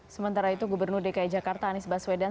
sementara itu gubernur dki jakarta anies baswedan